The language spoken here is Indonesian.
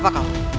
aku harus bergegas